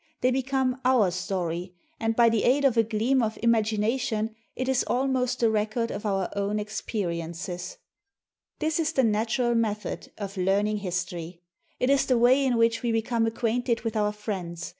They become our story, and, by the aid of a gleam of imagination, it is almost the record of our own experiences. This is the natural method of learning history. It is the way in which we become acquainted with our friends.